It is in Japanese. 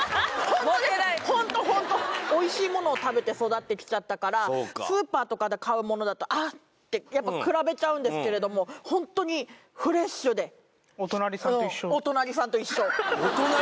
おいしいものを食べて育ってきちゃったからそうかスーパーとかで買うものだと「あっ」ってやっぱ比べちゃうんですけれどもお隣さんと一緒！？